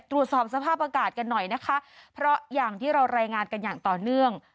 ตรวจสอบสภาพอากาศกันหน่อยนะคะเพราะอย่างที่เรารายงานกันอย่างต่อเนื่อง